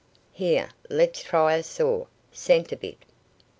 "Here, let's try a saw. Centre bit!"